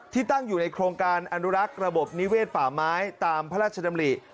ตั้งอยู่ในโครงการอนุรักษ์ระบบนิเวศป่าไม้ตามพระราชดำริ